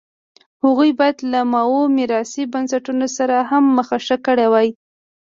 هغوی باید له ماوو میراثي بنسټونو سره هم مخه ښه کړې وای.